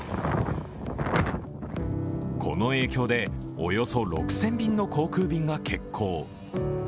この影響でおよそ６０００便の航空便が欠航。